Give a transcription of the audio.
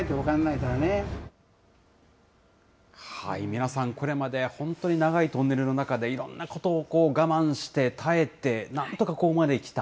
皆さん、これまで本当に長いトンネルの中で、いろんなことを我慢して、耐えて、なんとかここまできた。